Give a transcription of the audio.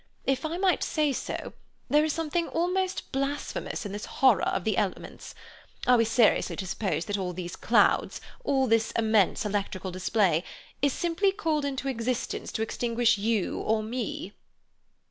If I might say so, there is something almost blasphemous in this horror of the elements. Are we seriously to suppose that all these clouds, all this immense electrical display, is simply called into existence to extinguish you or me?"